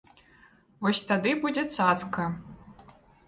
Вось тады будзе цацка.